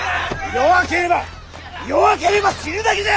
弱ければ弱ければ死ぬだけじゃ！